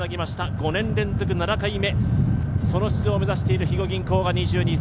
５年連続７回目の出場を目指している肥後銀行が２２位。